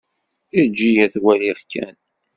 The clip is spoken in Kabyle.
Eǧǧ-iyi ad t-waliɣ kan.